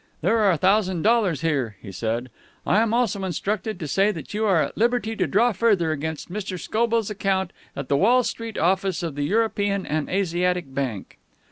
"There are a thousand dollars here," he said. "I am also instructed to say that you are at liberty to draw further against Mr. Scobell's account at the Wall Street office of the European and Asiatic Bank."